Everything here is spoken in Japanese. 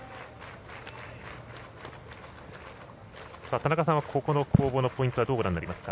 田中さんはここの攻防のポイントどうご覧になりますか？